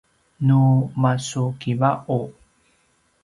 nu masukiva’u